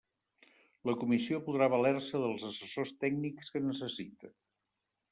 La Comissió podrà valer-se dels assessors tècnics que necessite.